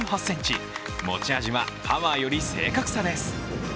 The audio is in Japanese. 持ち味はパワーより正確さです。